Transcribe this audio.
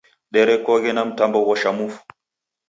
Derekoghe na mtambo ghosha mfu.